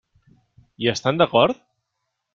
Hi estan d'acord?